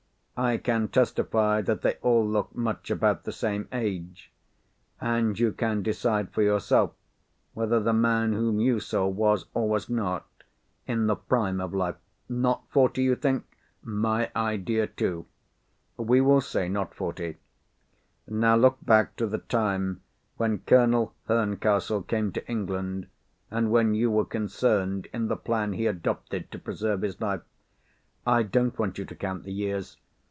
I can testify that they all look much about the same age—and you can decide for yourself, whether the man whom you saw was, or was not, in the prime of life. Not forty, you think? My idea too. We will say not forty. Now look back to the time when Colonel Herncastle came to England, and when you were concerned in the plan he adopted to preserve his life. I don't want you to count the years.